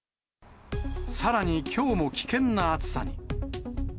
さらに、きょうも危険な暑さに。